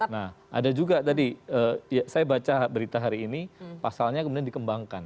nah ada juga tadi saya baca berita hari ini pasalnya kemudian dikembangkan